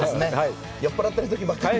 酔っ払ってるときばっかり。